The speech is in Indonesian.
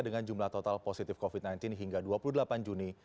dengan jumlah total positif covid sembilan belas hingga dua puluh delapan juni